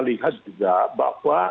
lihat juga bahwa